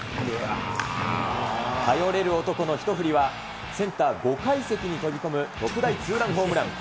頼れる男の一振りは、センター５階席に飛び込む特大ツーランホームラン。